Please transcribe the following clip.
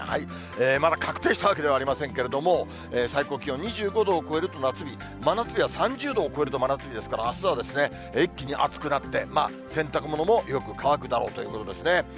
まだ確定したわけではありませんけれども、最高気温２５度を超えると夏日、真夏日は３０度を超えると真夏日ですから、あすは一気に暑くなって、洗濯物もよく乾くだろうということですね。